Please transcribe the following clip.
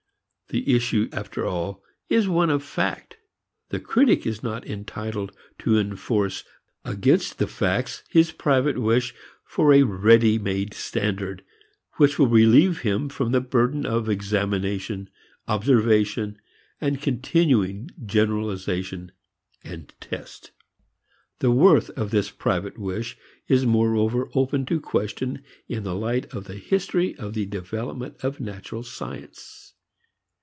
The issue after all is one of fact. The critic is not entitled to enforce against the facts his private wish for a ready made standard which will relieve him from the burden of examination, observation and continuing generalization and test. The worth of this private wish is moreover open to question in the light of the history of the development of natural science.